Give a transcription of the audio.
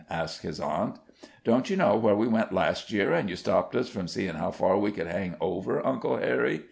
asked his aunt. "Don't you know where we went last year, an' you stopped us from seein' how far we could hang over, Uncle Harry?"